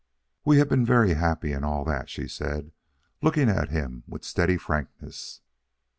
"We have been very happy and all that," she said, looking at him with steady frankness.